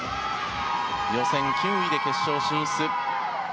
予選９位で決勝進出。